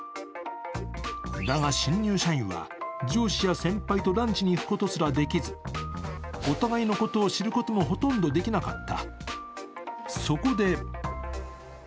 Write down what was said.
だが、新入社員は上司や先輩とランチに行くことすらできず、お互いのことを知ることもほとんどできなかった。